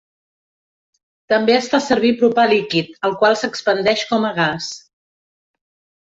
També es fa servir propà líquid el qual s'expandeix com a gas.